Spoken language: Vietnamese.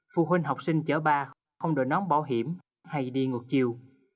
phụ huynh học sinh chở ba không đổi nón bảo hiểm hay đi ngược chiều